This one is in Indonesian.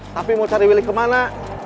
tapi mau cari wilih kemana